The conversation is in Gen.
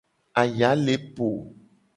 Aya le po.